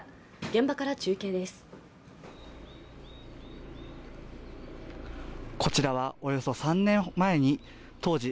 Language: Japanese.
現場から中継手。